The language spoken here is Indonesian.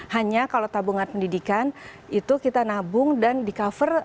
hanya kalau tabungan pendidikan itu kita nabung dan di cover